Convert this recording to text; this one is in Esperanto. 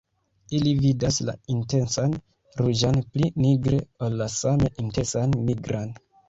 Ili vidas la intensan ruĝan pli nigre ol la same intensan nigran.